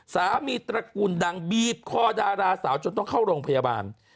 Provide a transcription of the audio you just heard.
ตระกูลดังบีบคอดาราสาวจนต้องเข้าโรงพยาบาล